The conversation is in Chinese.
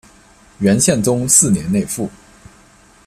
元宪宗四年内附。